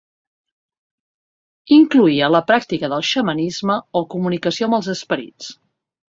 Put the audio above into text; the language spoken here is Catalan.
Incloïa la pràctica del xamanisme o comunicació amb els esperits.